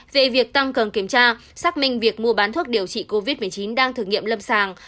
về việc tăng cường kiểm tra xác minh việc mua bán thuốc điều trị covid một mươi chín đang thử nghiệm lâm sàng